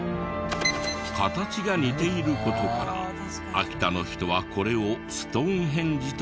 形が似ている事から秋田の人はこれをストーンヘンジと呼んでいるが。